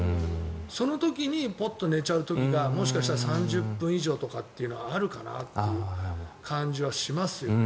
その時にぽっと寝ちゃう時がもしかしたら３０分以上というのがあるかなという感じはしますよね。